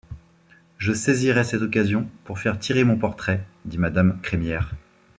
Je saisirai cette occasion pour faire tirer mon portrait, dit madame Crémière.